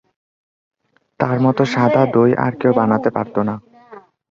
তার মতো সাদা দই আর কেউ বানাতে পারত না।